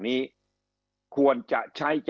คำอภิปรายของสอสอพักเก้าไกลคนหนึ่ง